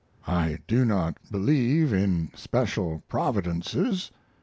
I do not believe in special providences.